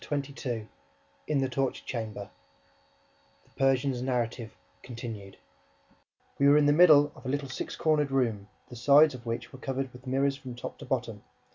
Chapter XXII In the Torture Chamber THE PERSIAN'S NARRATIVE CONTINUED We were in the middle of a little six cornered room, the sides of which were covered with mirrors from top to bottom.